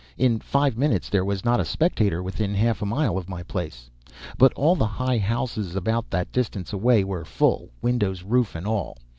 In five minutes there was not a spectator within half a mile of my place; but all the high houses about that distance away were full, windows, roof, and all.